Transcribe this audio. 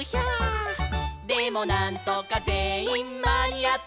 「でもなんとかぜんいんまにあって」